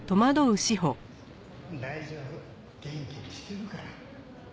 大丈夫元気にしてるから。